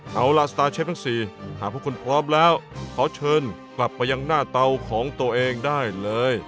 เอาล่ะสตาร์เชฟทั้ง๔หากพวกคุณพร้อมแล้วขอเชิญกลับไปยังหน้าเตาของตัวเองได้เลย